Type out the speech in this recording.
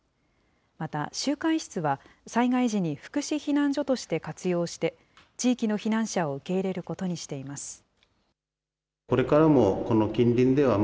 また、集会室は災害時に福祉避難所として活用して、地域の避難者を受け入れることにしています。